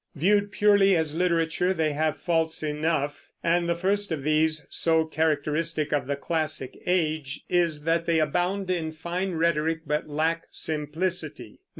Viewed purely as literature, they have faults enough; and the first of these, so characteristic of the Classic Age, is that they abound in fine rhetoric but lack simplicity.